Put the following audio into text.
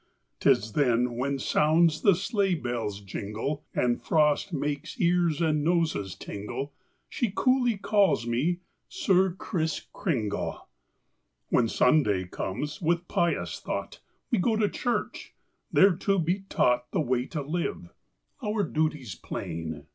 'Tis then when sounds the sleigh bell's jingle And the frost makes ears and noses tingle, She coolly calls me 'Sir Kriss Kringle.'" Copyrighted, 18U7 c^^aHEN Sunday comes, with pious thought We go to church, there to be taught The way to live, our duties plain.